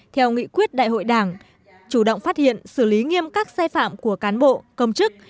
theo nghị quyết đại hội đảng chủ động phát hiện xử lý nghiêm các sai phạm của cán bộ công chức